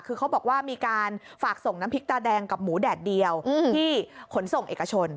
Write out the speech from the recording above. คือเขาบอกว่ามีการฝากส่งน้ำพริกตาแดงกับหมูแดดเดียวที่ขนส่งเอกชน